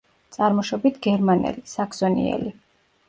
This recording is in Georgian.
წარმოშობით გერმანელი, საქსონიელი.